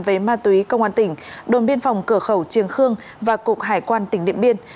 về ma túy công an tỉnh đồn biên phòng cửa khẩu triềng khương và cục hải quan tỉnh điện biên